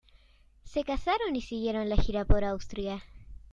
Se casaron y siguieron la gira por Austria.